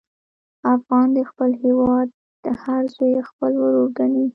افغان د خپل هېواد هر زوی خپل ورور ګڼي.